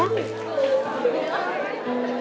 ลงก่อน